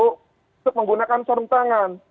untuk menggunakan sarung tangan